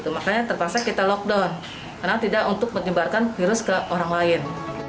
makanya terpaksa kita lockdown karena tidak untuk menyebarkan virus ke orang lain